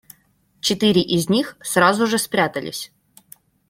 Четыре из них сразу же спрятались.